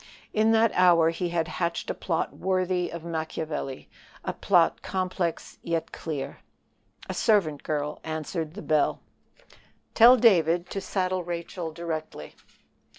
In that hour he had hatched a plot worthy of Machiavel a plot complex yet clear. A servant girl answered the bell. "Tell David to saddle Rachel directly."